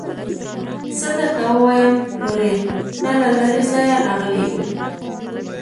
څه درته ووايم لورې نه له لرې ځايه راغلي يو.